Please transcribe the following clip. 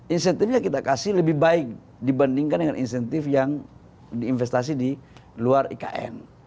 insentifnya kita kasih lebih baik dibandingkan dengan insentif yang diinvestasi di luar ikn